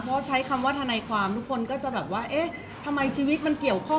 เพราะว่าสิ่งเหล่านี้มันเป็นสิ่งที่ไม่มีพยาน